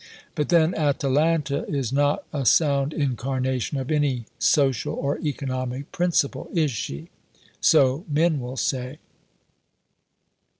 But then Atalanta is not a sound incarnation of any 'social or economic principle' is she? So men will say."